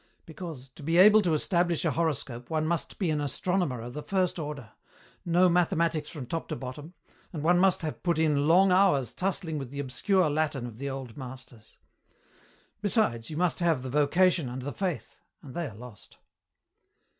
Because, to be able to establish a horoscope one must be an astronomer of the first order, know mathematics from top to bottom, and one must have put in long hours tussling with the obscure Latin of the old masters. Besides, you must have the vocation and the faith, and they are lost."